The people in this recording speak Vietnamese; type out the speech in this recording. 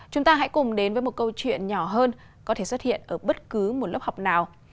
chúng ta hãy cùng đến với một câu chuyện nhỏ hơn có thể xuất hiện ở bất cứ một lớp học nào